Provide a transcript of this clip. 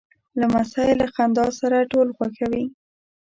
لمسی له خندا سره ټول خوښوي.